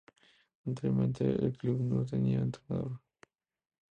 Anteriormente, el club no tenía entrenador.